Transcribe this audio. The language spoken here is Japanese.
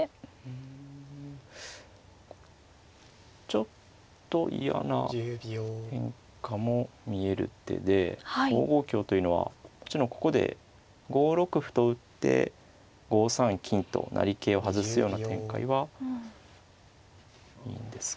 ちょっと嫌な変化も見える手で５五香というのはここで５六歩と打って５三金と成桂を外すような展開はいいんですが。